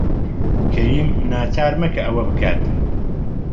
کەریم ناچار مەکە ئەوە بکات.